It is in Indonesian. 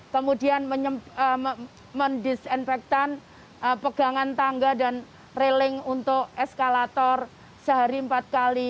kemudian mendisinfektan pegangan tangga dan railing untuk eskalator sehari empat kali